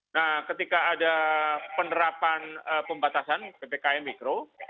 nah ketika ada penerapan pembatasan ppkm mikro